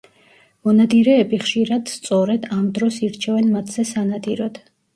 მონადირეები ხშირად სწორედ ამ დროს ირჩევენ მათზე სანადიროდ.